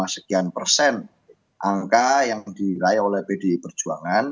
dua puluh tujuh sekian persen angka yang diraya oleh bdi perjuangan